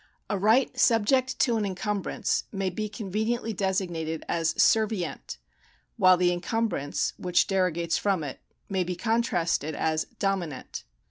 A right subject to an encumbrance may be conveniently designated as servient, while the encumbrance which dero gates from it may be contrasted as dominant.